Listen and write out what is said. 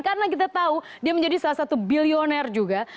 karena kita tahu dia menjadi salah satu billionaire juga